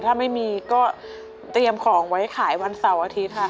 ถ้าไม่มีก็เตรียมของไว้ขายวันเสาร์อาทิตย์ค่ะ